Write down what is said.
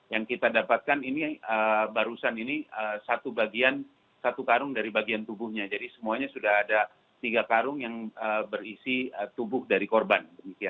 yang kita dapatkan ini barusan ini satu karung dari bagian tubuhnya jadi semuanya sudah ada tiga karung yang berisi tubuh dari korban